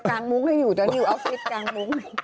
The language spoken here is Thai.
งมุ้งให้อยู่ตอนนี้อยู่ออฟฟิศกางมุ้ง